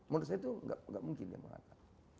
menurut saya itu enggak mungkin dia mau nakal